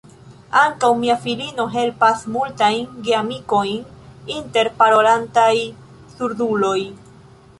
Ankaŭ mia filino helpas multajn geamikojn inter parolantaj surduloj.